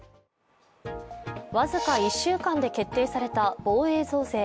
僅か１週間で決定された防衛増税。